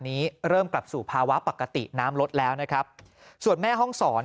นี้เริ่มกลับสู่ภาวะปกติน้ำลดแล้วนะครับส่วนแม่ห้องศร